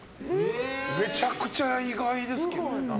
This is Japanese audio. めちゃくちゃ意外ですけどね。